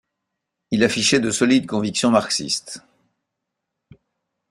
Il affichait de solides convictions marxistes.